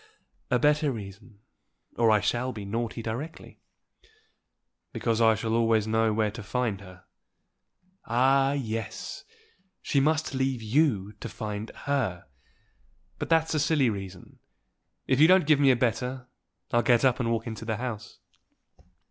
"A better reason, or I shall be naughty directly." "Because I shall always know where to find her." "Ah, yes! she must leave you to find her. But that's a silly reason. If you don't give me a better, I'll get up and walk into the house."